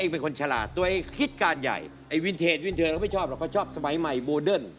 อ๋อเป็นสาวที่ชอบแบบโมเดิน